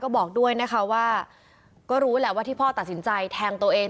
บอกด้วยนะคะว่าก็รู้แหละว่าที่พ่อตัดสินใจแทงตัวเอง